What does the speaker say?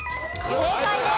正解です。